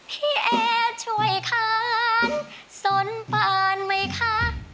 พี่เอช่วยค้านสนปานไหมคะ